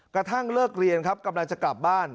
กระทั่งเลิกเรียนครับกำลังจะกลับบ้าน